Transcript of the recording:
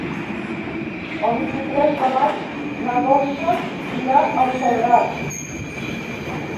El vint-i-tres de maig na Dolça irà al Soleràs.